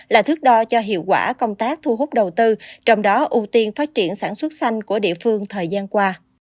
là thước đo cho hiệu quả công tác thu hút đầu tư trong đó ưu tiên phát triển sản xuất xanh của địa phương thời gian qua